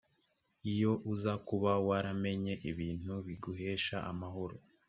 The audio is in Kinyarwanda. iyo uza kuba waramenye ibintu biguhesha amahoro.